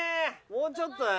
もうちょっとな。